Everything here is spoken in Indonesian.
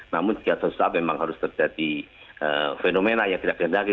namun setiap saat memang harus terjadi fenomena yang tidak terjadi